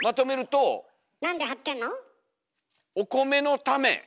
なんで張ってんの？